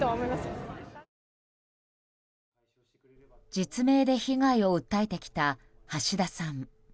実名で被害を訴えてきた橋田さん。